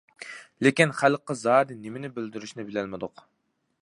لېكىن خەلققە زادى نېمىنى بىلدۈرۈشنى بىلەلمىدۇق.